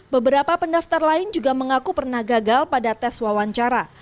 beberapa pendaftar lain juga mengaku pernah gagal pada tes wawancara